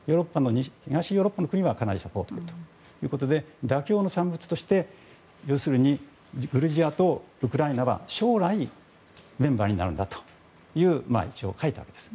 東ヨーロッパの国はかなりそこはということで妥協の産物として要するにグルジアとウクライナは将来、メンバーになるんだと一応、書いたんです。